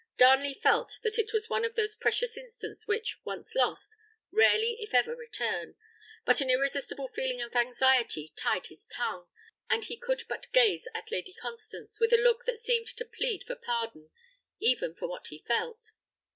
Darnley felt that it was one of those precious instants which, once lost, rarely if ever return; but an irresistible feeling of anxiety tied his tongue, and he could but gaze at Lady Constance with a look that seemed to plead for pardon, even for what he felt.